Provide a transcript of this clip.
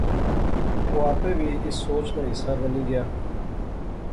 او آپے وی اس سوچ نا حصہ بنی گیا